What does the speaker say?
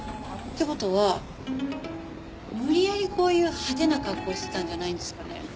って事は無理やりこういう派手な格好してたんじゃないんですかね？